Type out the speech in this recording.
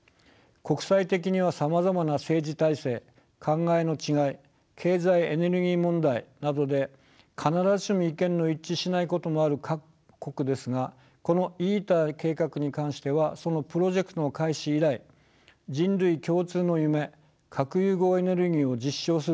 国際的にはさまざまな政治体制考えの違い経済・エネルギー問題などで必ずしも意見の一致しないこともある各国ですがこのＩＴＥＲ計画に関してはそのプロジェクトの開始以来人類共通の夢核融合エネルギーを実証するという旗の下